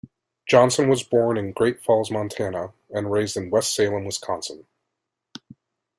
Johnson was born in Great Falls, Montana, and raised in West Salem, Wisconsin.